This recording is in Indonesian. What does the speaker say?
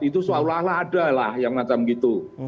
itu seolah olah ada lah yang macam gitu